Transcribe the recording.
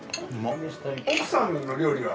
奥さんの料理は。